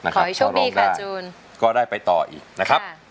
ขอให้โชคดีค่ะจูนขอร้องได้ก็ได้ไปต่ออีกนะครับ